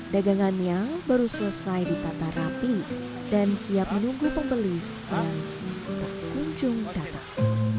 dagangannya baru selesai ditata rapi dan siap menunggu pembeli yang tak kunjung datang